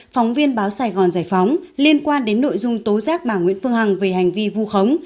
phóng viên báo sài gòn giải phóng liên quan đến nội dung tố giác bà nguyễn phương hằng về hành vi vu khống